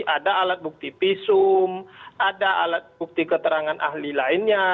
ada alat bukti visum ada alat bukti keterangan ahli lainnya